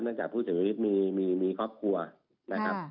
จากผู้เสียชีวิตมีครอบครัวนะครับ